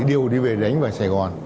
điều đi về đánh vào sài gòn